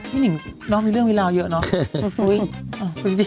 หนิ่งเนอะมีเรื่องมีราวเยอะเนอะ